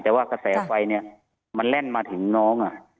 แต่ว่ากระแสไฟเนี่ยมันแล่นมาถึงน้อง